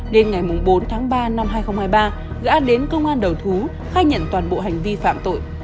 đêm ngày bốn tháng ba năm hai nghìn hai mươi ba gã đến công an đầu thú khai nhận toàn bộ hành vi phạm tội